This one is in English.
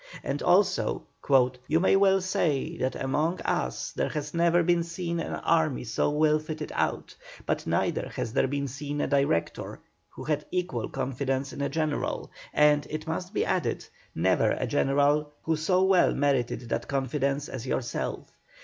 And also: "You may well say that among us there has never been seen an army so well fitted out; but neither has there been seen a Director who had equal confidence in a general, and, it must be added, never a general who so well merited that confidence as yourself.